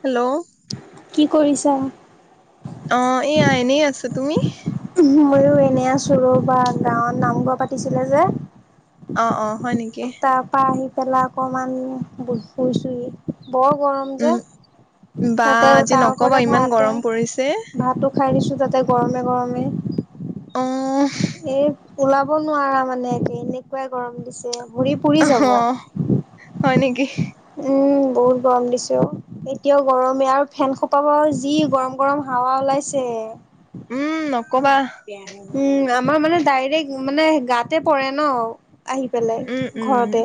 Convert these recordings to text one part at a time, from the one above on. Hello. কি কৰিছা? অ', এয়া এনেই আছোঁ। তুমি? ময়ো এনে আছোঁ, ৰবা গাঁৱত নাম গোৱা পাতিছিলে যে অ', অ', হয় নেক তাৰপা আহি পেলাই অকমান ব-শুইছোহি। বৰ গৰম যে। উম বা তাতে আজি তাৰ নকবা ওপৰতে ইমান ভাতে, গৰম পৰিছে ভাতো খাই দিছো তাতে গৰমে-গৰমে। মে অ এই ওলাব নোৱাৰা মানে, এনেকুৱাই গৰম দিছে। ভৰি পুৰি অ যাব। হয় নেকি উম। বহুত গৰম দিছে অ', এতিয়াও গৰমেই। আৰু ফেন খোপা পৰা যি গৰম-গৰম হাৱা ওলাইছে। [inaudible] উম নকবা। উম আমাৰ মানে ডাইৰেক্ট মানে গাতে পৰে ন। আহি পেলাই উম উম ঘৰতে,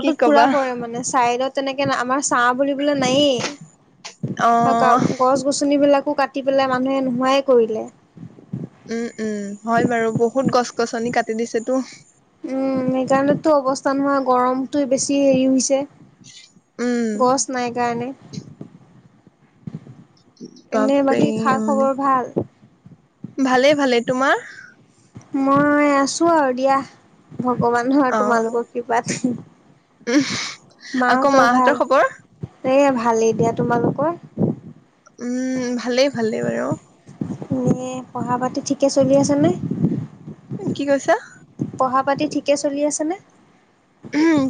কি পুৰা কবা পৰে মানে ছাইডত। তেনেকে আমাৰ ছাঁ বুলিবলে নায়ে, অ গছ-গছনিবিলাক কো কাটি পেলাই মানুহে নোহোৱাই কৰিলে। উম উম হয় বাৰু বহুত গছ-গছনি কাটি দিছেতো। উম মেঘালয়তো অৱস্থা নহয় গৰমটো বেছি হেৰি হৈছে। উম গছ নাই কাৰণে। এনে বাপৰে বাকী খা মানে খবৰ ভাল? ভালে ভালে। তোমাৰ? মই আছো আৰু দিয়া ভগৱান হ অ তোমালোকৰ কৃপাত। উম আকৌ মাহঁতৰ ভাল? খবৰ এ ভালেই দিয়া। তোমালোক কৰ? উম ভালেই ভালেই বাৰু। এ পঢ়া পাতি ঠিকে চলি আছে নে? কি কৈছা? পঢ়া পাতি ঠিকে চলি আছেনে?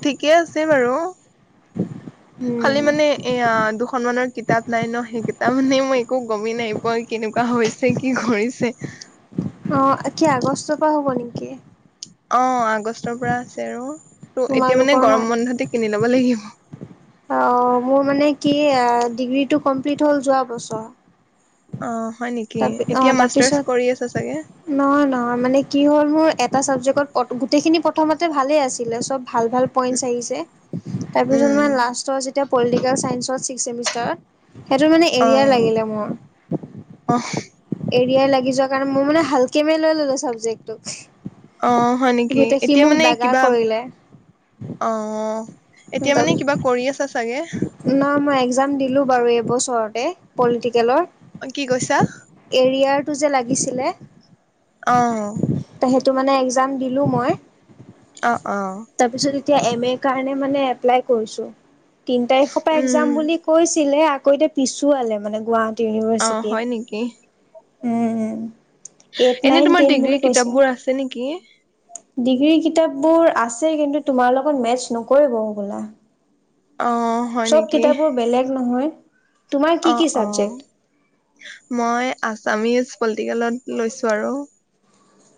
ঠিকেই আছে বাৰু। উম খালি মানে এয়া দুখনমানৰ কিতাপ নাই ন সেই কিতাপ মানে মই একো গমেই নাই পোৱা কেনেকুৱা হৈছে, কি কৰিছে? অ কি আগষ্টৰ পৰা হ'ব নেকি? অ আগষ্টৰ পৰা আছে আৰু ত এতিয়া মানে তোমালোকৰ ন? গৰম বন্ধতে কিনি ল'ব লাগিব। অ মোৰ মানে কি ডিগ্ৰীটো কমপ্লিট হল যোৱা বছৰ। অ হয় নেকি? তাৰপি অ' এতিয়া মাষ্টাৰ্চ তাৰপিছত কৰি আছ চাগে! নহয় নহয় মানে কি হ'ল মোৰ, এটা চাবজেক্টত গোটেইখিনি প্ৰথমতে ভালে আছিলে চব ভাল ভাল পইন্টচ আহিছে। তাৰ পিছ উম মানে লাষ্টৰ যেতিয়া পলিটিকেল ছাইন্সত ছিক্স চেমিষ্টাৰত সেইটো মানে এৰিয়াৰ লাগিলে মোৰ। অহ। এৰিয়া লাগি যোৱাৰ কাৰণে মই মানে হালকে মে লৈ ল'লো ছাবজেক্টটোক। অ হয় নেকি! এতিয়া মানে কিবা, কৰিলে। অৱ। তাৰ পিছত না মই একজাম দিলো বাৰু এবছৰতে পলিটিকেলৰ, কি কৈছা এৰিয়াৰটো যে লাগিছিলে অৱ। টো মানে একজাম দিলোঁ মই। অ অ। তাৰপিছত এতিয়া এম এৰ কাৰণে মানে এপ্লাই কৰিছোঁ। তিন তাৰিখৰ পৰা উম একজাম বুলি কৈছিলে। আকৌ এতিয়া পিছুৱালে মানে গুৱা অ হয় নেকি? উম, এইট এনে নাইন তোমাৰ টেন ডিগ্ৰীৰ বুলি কৈছে। কিতাপবোৰ আছে নেকি ডিগ্ৰী কিতাপবোৰ আছে কিন্তু তোমাৰ লগত মেটছ নকৰিব হ'বলা। অ হয় চব নেকি কিতাপবোৰ বেলেগ নহয়। তোমাৰ কি অ কি অ চাবজেক্ট? মই আছামিজ পলিটিকেলত লৈছো আৰু।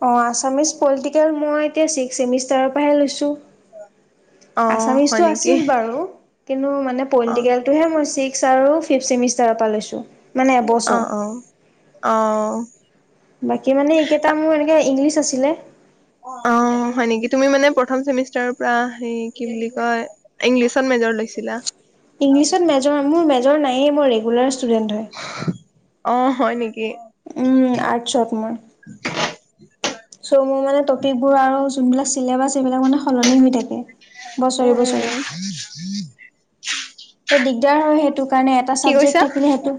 অ আছামিজ পলিটিকেল মই এতিয়া ছিক্স চেমিষ্টাৰৰ পৰাহে লৈছোঁ। অ হয় আছামিজতটো নেকি আছিল বাৰু। আৰু অ পলিটিকেলটোহে মই ছিক্স আৰু পিপ চেমিষ্টাৰ লৈছো। অ অ অ। বাকী মানে এইকেইটা মোৰ এনেকে ইংলিছ আছিলে। অ অ। অ হয় নেকি তুমি মানে প্ৰথম চেমিষ্টাৰৰ পৰা কি বুলি কয় ইংলিছত মেজৰ লৈছিলা। ইংলিছত মেজ মোৰ মেজৰ নায়েই মোৰ ৰেগুলাৰ ষ্টুডেণ্ট হয়। অ, হয় নেকি? উম, আৰ্টছত মই। চ' মোৰ মানে টপিক বোৰ আৰু যোনবিলাক চিলেবাছ সবিলাক মানে সলনি হৈ থাকে। উ বছৰি - উ। বছৰি দিগদাৰ হয় সেইটো কাৰণে এটা কি চাবজেক্ট কৈছা থাকিলে সেইটো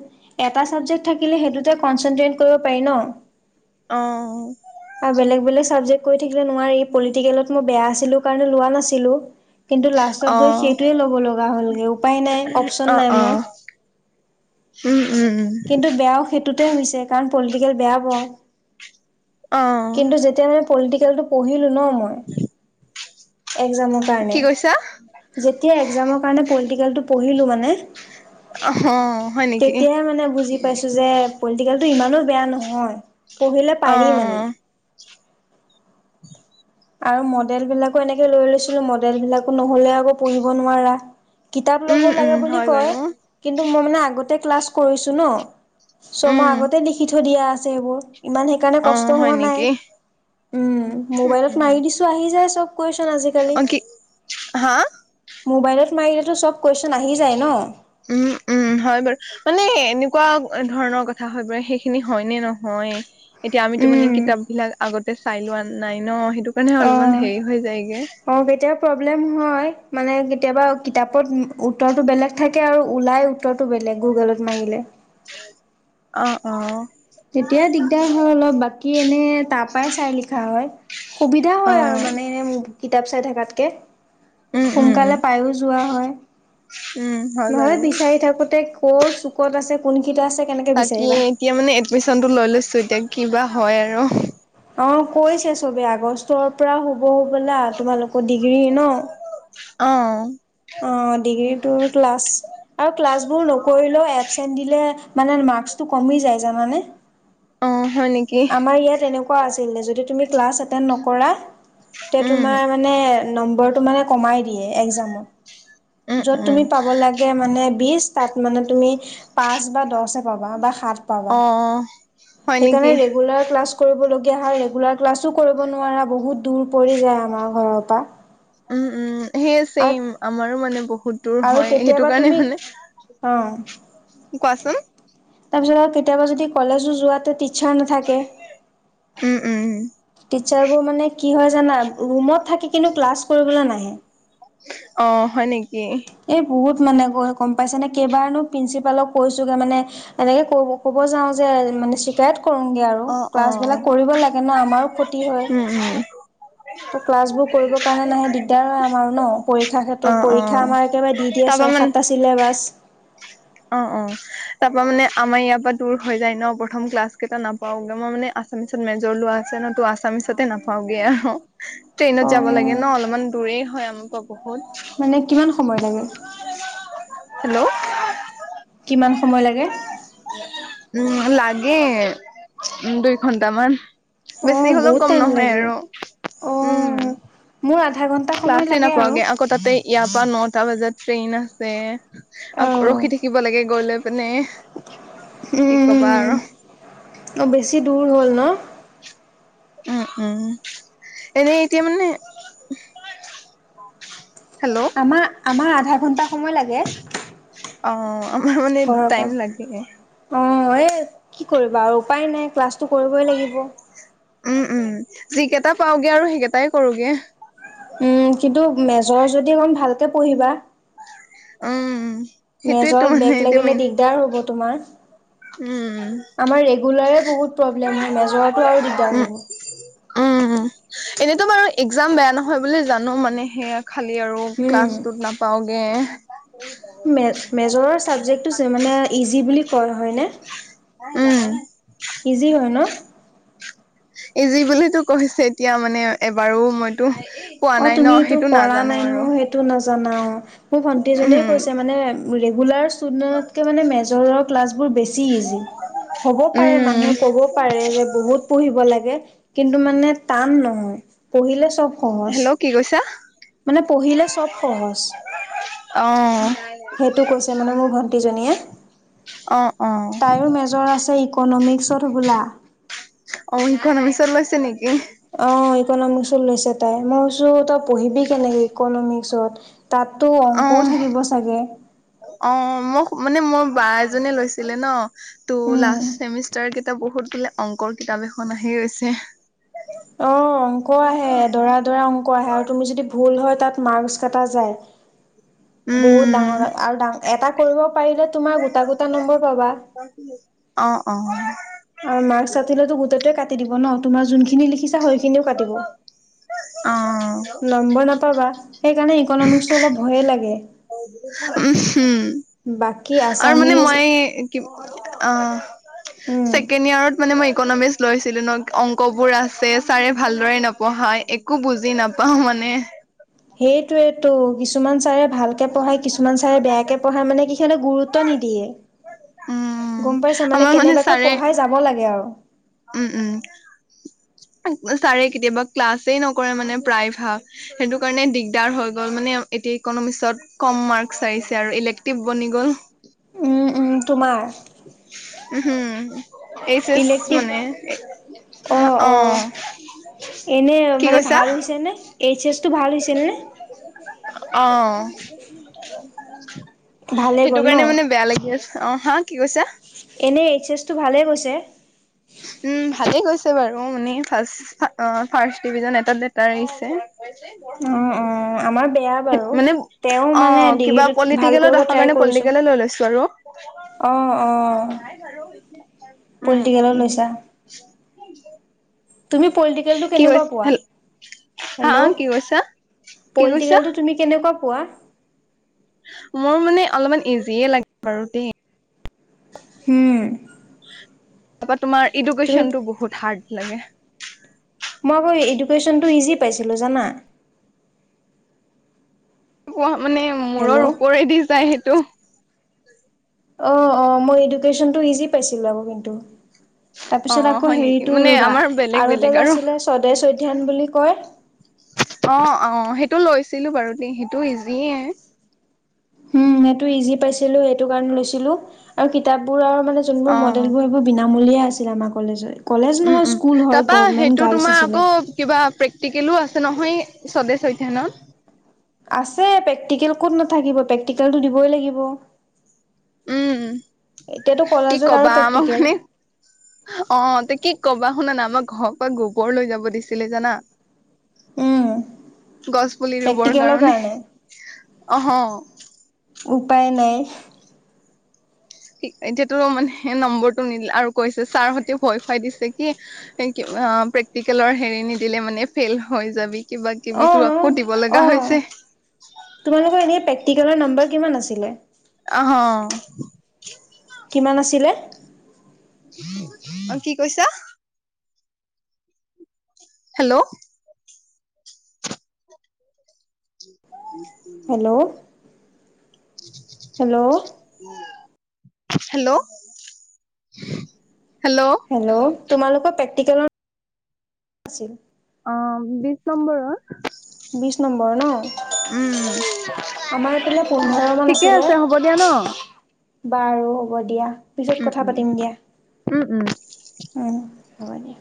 এটা চাবজেক্ট থাকিলে সেইটো ন কৰিব পাৰি ন অ বেলেগ বেলেগ বোলে চাবজেক্ট ঠিক নোৱাৰি পলিটিকেলত মই বেয়া আছিলো কাৰণে লোৱা নাছিলো। কিন্তু অ লাষ্টত গৈ সেইটোয়ে ল'ব লগা হ'লগৈ। উপায় অ নাই অ মোৰ উম - উম। হেইটোতে হৈছে কাৰণ পলিটিকেল বেয়া পাও অ কিন্তু যেতিয়া পলিটিকেলটো পঢ়িলো ন মই এক্সামৰ কাৰণে কি কৈছা যেতিয়া এক্সামৰ কাৰণে পলিতিকেলটো পঢ়িলো মানে অ, হয় নেকি? তেতিয়াই মানে বুজি পাইছো যে পলিটিকেলটো ইমানো বেয়া নহয় পঢ়িলে অ পাৰি মানে আৰু মডেল বিলাকো এনেকে লৈ লৈছিলো মডেল বিলাকো নহলে আকৌ পঢ়িব নোৱাৰা। কিতাপ ল'ব উম উম লাগে বুলি হয় কয় বাৰু কিন্তু মই মানে আগতে ক্লাছ কৰিছো ন। উম ছমাহ আগতে লিখি থৈ দিয়া আছে এইবোৰ। ইমান সেইকাৰণে অ কষ্ট হয় হোৱা নাই নেকি উম, উম মোবাইলত উম মাৰি দিছো আহি যায় চব। কুৱেশন আজিকালি। অ, কি হা মোবাইলত মাৰিলেতো চব। কুৱেশন আহি যায় ন উম - উম হয় বাৰু মানে এনে এনেুৱা ধৰণৰ কথা হয় পৰে সেইখিনি হয় নে নহয় এতিয়া আমিতো মানে উম কিতাপ বিলাক আগত চাই লোৱা নাই ন সেই। অ - অ কেতিয়া প্ৰব্লেম হয়। মানে কেতিয়াবা কিতাপত উত্তৰটো বেলেগ থাকে আৰু ওলাই উত্তৰটো বেলেগ গুগলত মাৰিলে হয়। অ - অ। তেতিয়া দিগদাৰ হয় অলপ বাকী এনে তাৰ পৰাই চাই লিখা হয়। সুবিধা হয় আৰু অ', মানে এনে কিতাপ চাই থকাতকে উম, উম, উম, সোনকালে পায়ো যোৱা হয় উম, হয় নহয় বাৰু। বিচাৰি থাকোতে কৰ চুকত আছে কোনকেইটা আছে কেনেকে বিচাৰিবা। ডমিশনটো লৈ লৈছো এতিয়া কিবা হয় আৰু। অ, কৈছে চবে আগষ্টৰ পৰা শুব হ'বলা তোমালোকৰ ডিগ্ৰী ন। অ', অ, ডিগ্ৰীটোৰ আৰু ক্লা নকৰিলেও এবছেন্ত দিলে মানে মাৰ্ক্সটো কমি যায় জানা নে? অ', হয় নেকি? আমাৰ ইয়াত এনেকুৱা আছিলে যদি তুমি ক্লাছ এটটেণ্ড নকৰা তে উম, তোমাৰ মানে নম্বৰটো মানে কমাই দিয়ে এক্সামত উম, যত উম, তুমি পাব লাগে মানে বি তাত মানে তুমি পাচ বা দহ অ, বা - বা সাত পাবা অ', হয় সেইকৰনে নেকি? ৰেগুলাৰ ক্লাছ কৰিবলগীয়া হয় ৰেগুলাৰ ক্লাছো কৰিব নোৱাৰা বহুত দূৰ পৰি যায় আমাৰ ঘৰৰ পৰা উম - উম সেয়ে ছেম আমাৰো মানে বহুত সুতৰ আৰু হয় সেইটো কেতিয়াবা কাৰণে তুমি মানে অ' কোৱাচোন তাৰপিছত আৰু কেতিয়াবা যদি কলেজো যোৱাতে টিচাৰ নাথাকে। উম - উম - উম। টিচাৰবোৰ মানে কি হয় জানা ৰুমত থাকি কিন্তু ক্লাছ কৰিবলৈ নাহে। অ হয় নেকি। এই বহুত মানে গম পাইছেনে কেইবাৰনো প্ৰিন্সিপালক কৈছো গে মানে এনেকে ক ক'ব যাওঁ যে মানে চিকায়ত কৰোগে আৰু অ অ ক্লাছ বিলাক কৰিব লাগে ন আমাৰ ক্ষতি হয় উম উম ত' ক্লাছবোৰ কৰিবৰ কাৰণে নাহে দিগদাৰ হয় আমাৰো ন পৰীক্ষাৰ অ ক্ষেত্ৰত অ পৰীক্ষা আমাৰ একেবাৰে দি দিয়ে তাৰপা ছয় মানে সাতটা চিলেবাছ অ অ তাৰ পৰা মানে আমাৰ ইয়াৰ পৰা দূৰ হৈ যায় ন প্ৰথম ক্লাছ কেইটা নাপাও মই মানে আছামিছত মেজৰ লোৱা আছে ন তো আছামিচতে নাপাওগে আৰু ট্ৰেইনত যাব লাগে অ', ন অলপমান দূৰেই হয় আমাৰ। মানে কিমান সময় লাগে? হেল্ল'। কিমান সময় লাগে। উম লাগে দুই ঘন্টামান। বেছি অ', হলেও বহুত কম টাইম নহয় লাগে। আৰু উম। অ', মোৰ আধা ঘন্টা সময় ক্লাছে লাগে আৰু। নাপাওঁগে আকৌ তাতে ইয়াৰ পৰা নটা বজাত ট্ৰেইন আছে আ অ', ৰখি থাকিব লাগে গলে মানে কি কবা উম, আৰু অ বেছি দূৰ হ'ল ন? উম উম এনেই এতিয়া মানে হেল্ল' আমাৰ আমাৰ আধা ঘন্টা সময় লাগে। অঁ আমাৰ মানে টাইম লাগে। হয়ে কি কৰিবা আৰু উপায় নাই ক্লাছটো কৰিবই লাগিব। উম উম যিকেইটা পাওঁগে আৰু সেইকেইটাই কৰোগে। উম কিন্তু মেজৰ যদি অকমান ভালকে পঢ়িবা। উম সেইটোয়েতো মেজৰত মানে বেগ এতিয়া লাগিলে মেইন দিগদাৰ হব তোমাৰ। উম। আমাৰ ৰেগুলাৰে বহুত প্ৰবলেম হয়, মেজৰটো আৰু দিগদাৰ হ'ব। উ এনেইতো বাৰু এ একজাম বেয়া নহয় বুলি জানো মানে, সেয়া খালী আৰু ক্লাছটোত নাপাওঁগে। মেছ মেজৰৰ চাবজেক্টটো যে মানে ইজি বুলি কয় হয়নে? উম ইজি হয় ন? ইজি বুলিতো কৈছে এতিয়া মানে এবাৰো মইতো পোৱা অ নাই ন তুমি এইটো সেইটো কৰা নাজানো নাই ন আৰু সেইটো নাজানা অঁ, মোৰ ভন্টি এজনীয়ে উম কৈছে মানে ৰেগুলাৰ ষ্টুডেণ্টতকৈ মানে মেজৰৰ ক্লাছ বেছি ইজি, হ'ব পাৰে উম মানুহে ক'ব পাৰে যে বহুত পঢ়িব লাগে কিন্তু মানে টান নহয়, পঢ়িলে চব সহজ। হেল্ল' কি কৈছা মানে পঢ়িলে চব সহজ। অ সেইটো কৈছে মানে মোৰ ভন্টিজনীয়ে। অ অ তাইৰো মেজৰ আছে ইক'ন'মিক্সত হব'লা? অ ইকনমিক্সত লৈছ অ ইকনমিক্সত লৈছে তাই, মই কৈছো তই পঢ়িবি কেনেকে ইকনমিক্সত! তাততো অ অংকও থাকিব চাগে? অ মোক মানে মোৰ বা এজনীয়ে লৈছিলে ন, ত উম লাষ্ট চেমিষ্টাৰ এতিয়া বহুত বোলে অংকৰ কিতাপ এখন আহি গৈছে অ', অংক আহে, দৰা দৰা অংক আহে, আৰু তুমি যদি ভুল হয় তাত মাৰ্কচ কাটা যায়, বহুত উম ডাঙৰ আৰু ডাঙ, এটা কৰিব কৰিলে তোমাৰ গোটা গোটা নম্বৰ পাবা। অ অ আৰু মাৰ্কচ কাটিলেতো গোটেই টোৱে কাট দিব ন, তোমাৰ জোনখিনি লিখিছ সেই খিনিও কাটিব, অ নম্বৰ নাপাবা। সেইকাৰণে ইকনমিক্সটো অলপ ভয়ে লাগে। [inaudible] বা আৰু মানে মই কি অ' উম। ছেকেণ্ড ইয়াৰত মানে মই ইকনমিক্স লৈছিলোঁ ন অংকবোৰৰ আছে, ছাৰে ভালদৰে নপঢ়ায়, একো বুজি নাপাওঁ মানে। মানে সেইটোৱে টো কিছুমান ছাৰে ভালকে পঢ়ায়, কিছুমান ছাৰে বেয়াকে পঢ়ায়, মানে কিহমানক গুৰুত্ব নিদিয়ে। উম গ'ম পাইছা মানে আমাৰ কেনেবাকৈ ছাৰে পঢ়াই যাব লাগে আৰু উম, উম। ছাৰে কেতিয়াবা ক্লাছে নকৰে মানে প্ৰায় ভাগ সেইটো কাৰণে দিগদাৰ হৈ গ'ল, মানে এতিয়া ইকনমিক্সত কম মাৰ্ক আহিছে আৰু ইলেক্টিভ বনি গ'ল। উম উম তোমাৰ উহুম। এইচ এচ ইলেক্টিভ মানে অ' এনে মানে ভাল হৈছে নে এইচ এচ অহ' ভালে সেইটো গ'ল ন কাৰণে মানে বেয়া লাগিল, অ', হা কি কৈছা? এনেই এইচ এছটো ভালে গৈছে। উম, ভালে গৈছে বাৰু মানে ফাৰ্চ-ফাৰ্চট ডিভিজন এটাত লেটাৰ অ', অ', আমাৰ বেয়া আহিছে। বাৰু। মানে অ', তেওঁ মানে কিবা ডিগ্ৰীটোত ভাল কৰিব পলিটিকেলত আহা ট্ৰাই কাৰণে কৰিছোঁ। পলিটিকেলে লৈ লৈছো আৰু। অ', অ', পলটি উম। তুমি পলিটিকেলটো কি কৈছ কেনেকুৱা পোৱা? হেল হা হেল্ল', কি কৈছা কি কৈছা? পলিটিকেলটো তুমি কেনেকুৱা পোৱা? মোৰ মানে অলপমান ইজিয়ে লাগে বাৰু দেই। হম। তাৰপা তোমাৰ এডুকেশ্বনটো বহুত হাৰ্ড লাগে। মই বাৰু এডুকেশ্বনটো ইজি পাইছিলোঁ জানা। পোৱা মানে হেল্ল' মূৰৰ ওপৰেদি যায় সেইটো। অ', অ', মই এডুকেশ্বনটো ইজি পাইছিলোঁ আকৌ কিন্তু। তাৰপিছত অ' আকৌ হয় নেকি? হেৰিটো মানে ৰুবা আমাৰ বেলেগ আৰু বেলেগ এটা যে আছিলে স্বদেশ অধ্যয়ান বুলি কয়। অ', অ', সেইটো লৈছিলো বাৰু দে সেইটো ইজিয়ে। উম, সেটো ইজি পাইছিলোঁ সেইটো কাৰণে লৈছিলো আৰু কিতাপবোৰ আৰু মানে যোনবোৰ অ' মডেলবোৰ এইবোৰ বিনামূলীয়া আছিল আমাৰ কলেজত। উম, উম, তাৰাপা সেইটো তোমাৰ আছিলে আকৌ কিবা প্ৰেক্টিকেলো আছ তে নহয়ে স্বদেশ অধ্যয়নত। আছে, প্ৰেক্টিকেল ক'ত নাথাকিব, প্ৰেক্টিকেলটো দিবই লাগিব। উম। এতিয়াতো কি কলেজত আৰু কবা আমাক প্ৰেক্টিকেল মানে অ', তে কি কবা শুনা না আমাক ঘৰৰ পৰা গোবৰ লৈ যাব দিছিলে জানা। উম গছ পুলি ৰুবৰ কাৰণে অহ। উপায় নাই। এতিয়াটো মানে নম্বৰটো নিদিল আৰু কৈছে ছাৰহ'তে ভয় খুৱাই দিছে কি এক অ', প্ৰেক্টিকেলৰ হেৰি নিদিলে মানে ফেইল হৈ যাবি। কিবা অ কিবিটো আকৌ দিব লাগা অ হৈছে। তোমালোকৰ এনে প্ৰেক্টিকেলৰ নাম্বাৰ কিমান আছিলে? অহ। কিমান আছিলে? অ', কি কৈছা? Hello. [inaudible] Hello hello hello hello hello, তোমালোকৰ প্ৰেক্টিকেলৰ [inaudible] আছিল। অ', বিশ নম্বৰৰ বিশ নম্বৰৰ ন? উম আমাৰ এইফালে পোন্ধৰ মান ঠিকে আছিলে আছে হ'ব দিয়া ন বাৰু হ'ব দিয়া, পিছত উম কথা উম পাতিম দিয়া। উম। হব দিয়া।